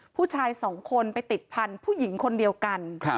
ผู้ชายสองคนไปติดพันธุ์ผู้หญิงคนเดียวกัน